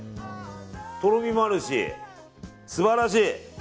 とろみもあるし素晴らしい！